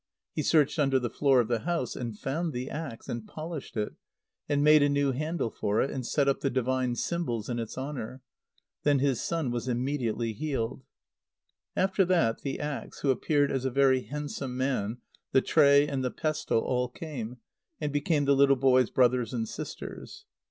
He searched under the floor of the house, and found the axe, and polished it, and made a new handle for it, and set up the divine symbols in its honour. Then his son was immediately healed. After that, the axe (who appeared as a very handsome man), the tray, and the pestle all came, and became the little boy's brothers and sisters.